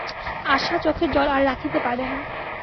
আশা চোখের জল আর রাখিতে পারে না।